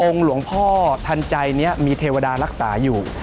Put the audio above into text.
องค์หลวงพ่อทันใจมีเทวดารักษาอยู่